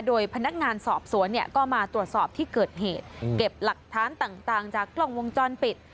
โดยพนักงานสอบสวนเนี่ยก็มาตรวจสอบที่เกิดเหตุเก็บหลักฐานต่างจากกล้องวงจรปิด